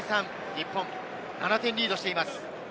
日本７点リードしています。